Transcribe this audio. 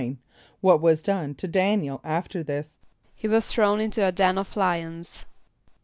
= What was done to D[)a]n´iel after this? =He was thrown into a den of lions.